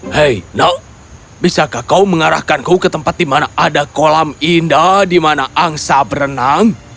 hei nak bisakah kau mengarahkanku ke tempat di mana ada kolam indah di mana angsa berenang